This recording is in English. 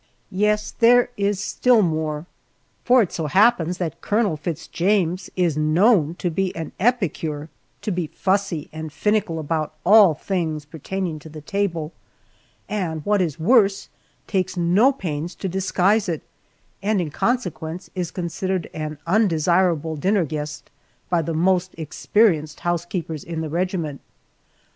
Yes, there is still more, for it so happens that Colonel Fitz James is known to be an epicure, to be fussy and finical about all things pertaining to the table, and what is worse takes no pains to disguise it, and in consequence is considered an undesirable dinner guest by the most experienced housekeepers in the regiment.